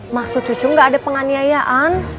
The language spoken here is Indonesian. maksud cucu nggak ada penganiayaan